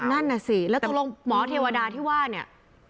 นั่นน่ะสิแล้วตกลงหมอเทวดาที่ว่าเนี่ย